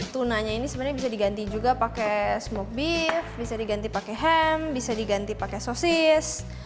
tunanya ini sebenarnya bisa diganti juga pakai smoke beef bisa diganti pakai ham bisa diganti pakai sosis